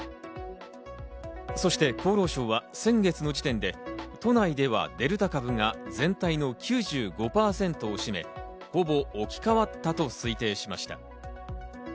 そして厚労省は先月の時点で都内ではデルタ株が全体の９５％を占め、ほぼ置き変わったと推定しました。